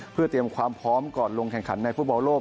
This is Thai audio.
เพื่อเตรียมความพร้อมก่อนลงแข่งขันในฟุตบอลโลก